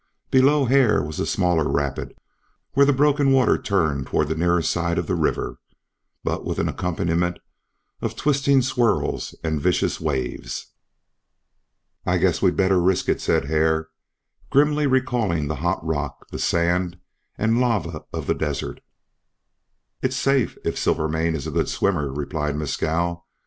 Below Hare was a smaller rapid where the broken water turned toward the nearer side of the river, but with an accompaniment of twisting swirls and vicious waves. "I guess we'd better risk it," said Hare, grimly recalling the hot rock, the sand, and lava of the desert. "It's safe, if Silvermane is a good swimmer," replied Mescal.